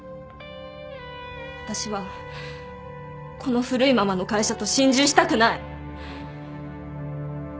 私はこの古いままの会社と心中したくない